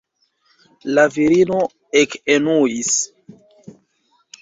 La virino ekenuis.